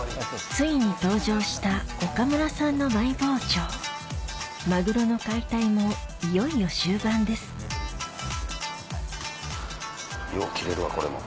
ついに登場した岡村さんのマイ包丁マグロの解体もいよいよ終盤ですよう切れるわこれも。